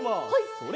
それ！